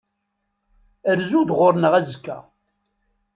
Rzu-d ɣur-neɣ azekka.